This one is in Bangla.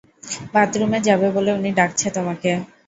বাথরুমে যাবে বলে উনি ডাকছে তোমাকে।